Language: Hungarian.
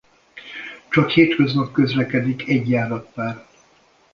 Csak hétköznap közlekedik egy járatpár.